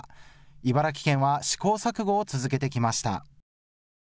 茨城県は試行錯誤を続けてきました。